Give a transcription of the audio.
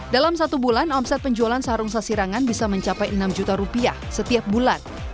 dalam satu bulan omset penjualan sarung sasirangan bisa mencapai enam juta rupiah setiap bulan